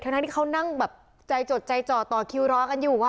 ทั้งที่เขานั่งแบบใจจดใจจ่อต่อคิวรอกันอยู่